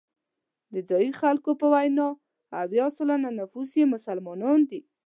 د ځایي خلکو په وینا اویا سلنه نفوس یې مسلمانان دي.